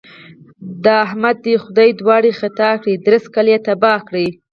د احمد دې خدای دواړې خطا کړي؛ درست کلی يې تباه کړ.